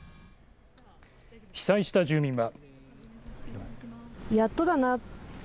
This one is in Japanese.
被災した住民は。